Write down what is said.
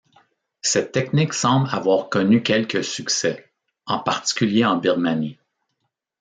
Cette technique semble avoir connu quelques succès, en particulier en Birmanie.